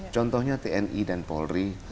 contohnya tni dan polri